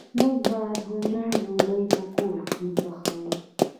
موږ به نن ډوډۍ په کور کی پخوو